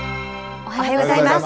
おはようございます。